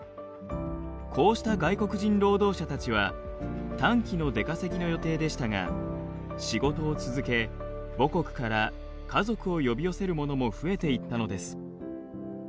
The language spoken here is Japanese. こうした外国人労働者たちは短期の出稼ぎの予定でしたが仕事を続け母国から家族を呼び寄せる者も増えていったのです。